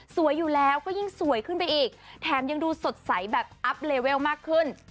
อยู่แล้วก็ยิ่งสวยขึ้นไปอีกแถมยังดูสดใสแบบอัพเลเวลมากขึ้น